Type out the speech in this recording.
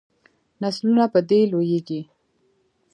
نسلونه په دې لویږي.